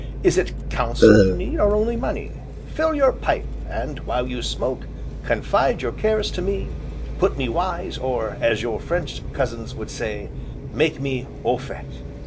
Is it counsel you need, or only money? Fill your pipe, and, while you smoke, confide your cares to me, put me wise, or, as your French cousins would say, make me 'au fait.'"